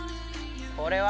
これは？